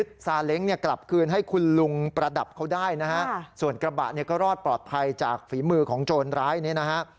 ได้นะฮะส่วนกระบะก็รอดปลอดภัยจากฝีมือของโจรร้ายนี้นะฮะ